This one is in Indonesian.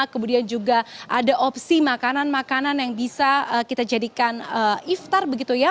kemudian juga ada opsi makanan makanan yang bisa kita jadikan iftar begitu ya